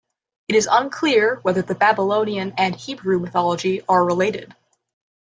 It is unclear whether the Babylonian and Hebrew mythology are related.